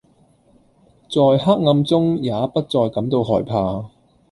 在黑暗中也不再感到害怕